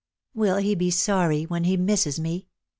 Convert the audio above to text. " Will he be sorry when he misses me